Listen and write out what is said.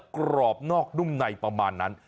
กรอบนอกนุ่มในพร้อมมานั้น